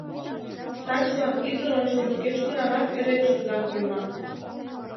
Качылан ӱдыр ончылно кеч-кунамат эре чолган койман...